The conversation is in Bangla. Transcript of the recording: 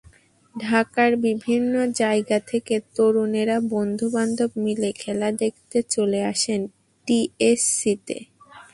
ঢাকার বিভিন্ন জায়গা থেকে তরুণেরা বন্ধুবান্ধব মিলে খেলা দেখতে চলে আসেন টিএসসিতে।